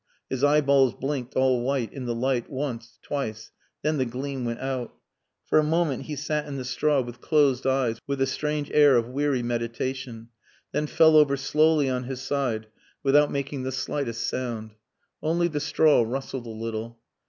His eyeballs blinked all white in the light once, twice then the gleam went out. For a moment he sat in the straw with closed eyes with a strange air of weary meditation, then fell over slowly on his side without making the slightest sound. Only the straw rustled a little.